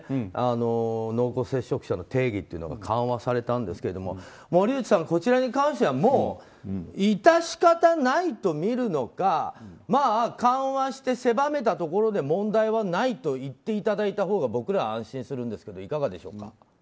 濃厚接触者の定義が緩和されたんですが森内さん、こちらに関しては致し方ないとみるのか緩和して狭めたところで問題はないと言っていただいたほうが僕らは安心するんですけどいかがでしょうか。